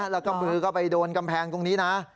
แล้วก็มือก็ไปโดนกำแพงตรงนี้นะ